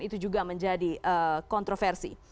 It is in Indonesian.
itu juga menjadi kontroversi